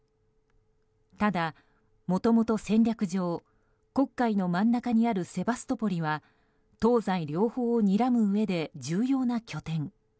ただ、もともと戦略上黒海の真ん中にあるセバストポリは東西両方をにらむうえで重要な拠点。